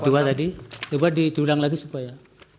kedua tadi coba diudang lagi supaya